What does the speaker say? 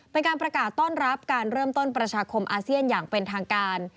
เป็นการประกาศต้อนรับการเริ่มต้นประชาคมอาเซียนอย่างเป็นทางการ